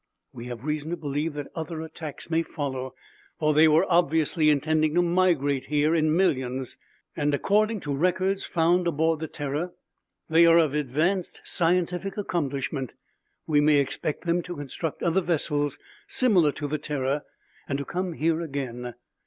We have reason to believe that other attacks may follow, for they were obviously intending to migrate here in millions. And, according to records found aboard the Terror, they are of advanced scientific accomplishment. We may expect them to construct other vessels similar to the Terror and to come here again.